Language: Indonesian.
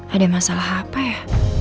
ada masalah apa ya